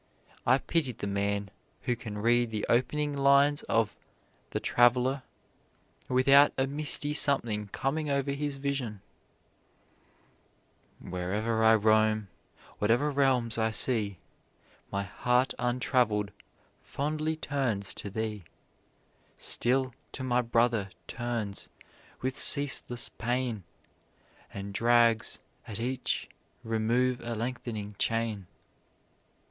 I pity the man who can read the opening lines of "The Traveler" without a misty something coming over his vision: "Where'er I roam, whatever realms I see, My heart untraveled fondly turns to thee; Still to my brother turns, with ceaseless pain, And drags at each remove a lengthening chain."